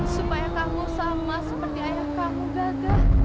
supaya kamu sama seperti ayah kamu gagah